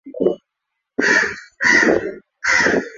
ieleweki na tukawa kuna mashaka ni kitu gani